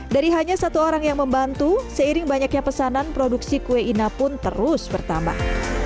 dari hanya satu orang yang membantu seiring banyaknya pesanan produksi kue ina pun terus bertambah